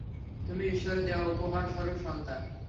তুমি ঈশ্বরের দেয়া উপহারস্বরুপ সন্তান।